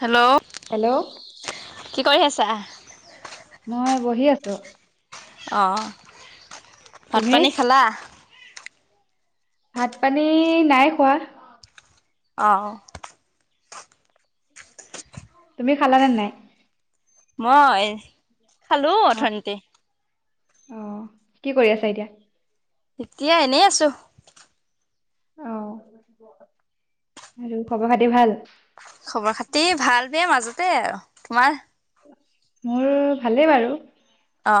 Hello? Hello? কি কৰি আছা? মই বহি আছোঁ। অ'। তুমি ভাত-পানী খালা? ভাত-পানী নাই খোৱা। অ'। তুমি খালা নে নাই? মই খালো অ অঠতে [unintelligible] অ কি কৰি আছা এতিয়া এতিয়া এনেই আছো আহ আৰু খবৰ খাতি ভাল খবৰ খাতি ভাল দেে মাজতে আৰু তোমাৰ মোৰ ভালেই বাৰু অ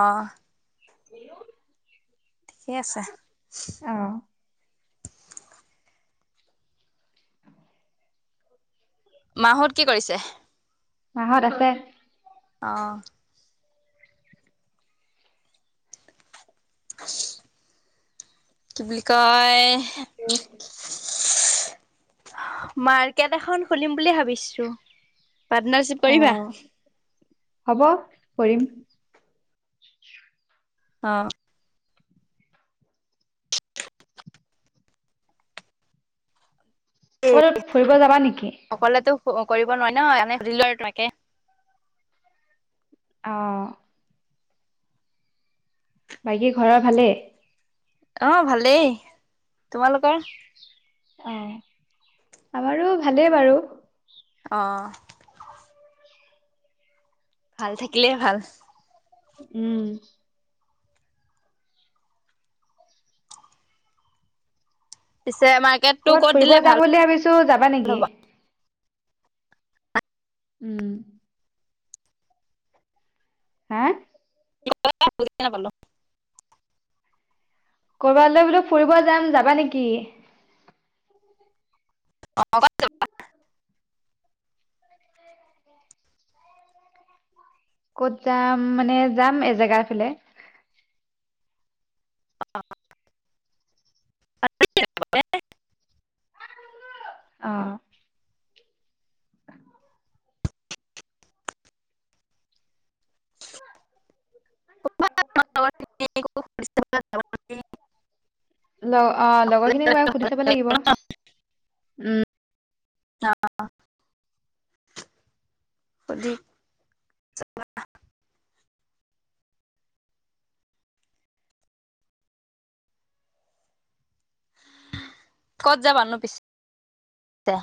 ক ঠিকেই আছে মাহত কি কৰিছে মাহত আছে আহ কি বুলি কয় [inaudible] মাৰ্কেট এখন খুলিম বুলি ভাবিছো পাটৰ্নাচিপ অ কৰিবা। হব কৰিম অ ক ফুৰিব যাবা নেকি অকলে তো কৰিব নোৱাৰি ন এনে সুধিলো আৰু তোমাকে অ বাকী ঘৰৰ ভালেই আহ ভালেই তোমালোকৰ অ আমাৰো ভালেই বাৰু আহ ভাল থাকিলে ভাল উম পিছে মাৰ্কেটটো ক'ৰবাত ক'ত ফুৰিব দিলে ভাল যাম বুলি ভাবিছো যাবা নেকি হ'ব উম হা হা হা কৰবালৈ বোলো ফুৰিব যাম যাবা নেকি অ কত যাম মানে যাম এজেগা ফালে অ অ [inaudible] লগ অ লগৰ খিনিক বাৰু সুধি চাব লাগিব উম আহ স [unintelligible] কত যাবানো পিছত কে?